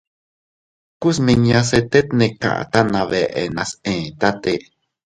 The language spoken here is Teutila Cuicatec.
Ku smiñase tet ne kata na beʼe nas etate.